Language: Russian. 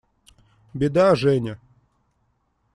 Беда, Женя!